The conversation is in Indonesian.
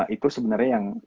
itu sebenarnya yang